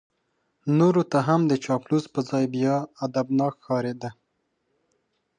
نورو ته هم د چاپلوس په ځای بیا ادبناک ښکارېده.